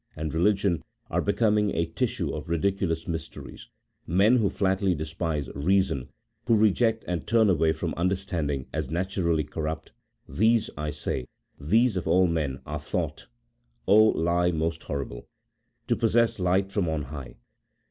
and religion are become a tissue of ridiculous mysteries ; men, who flatly despise reason, who reject and turn away from understanding as naturally corrupt, these, I say, these of all men, are thought, he most horrible! to possess light from on High.